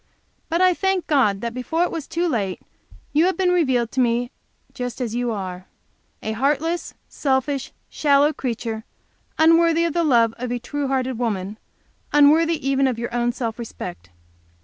But I thank God that before it was too late, you have been revealed to me just as you are a heartless, selfish, shallow creature, unworthy the love of a true hearted woman, unworthy even of your own self respect.